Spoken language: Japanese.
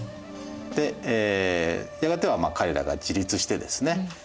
でやがては彼らが自立してですね